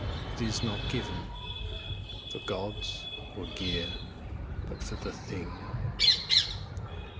It is not given For goods or gear, But for The Thing.